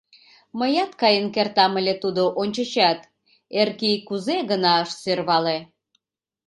Мыят каен кертам ыле тудо ончычат, Эркий кузе гына ыш сӧрвале...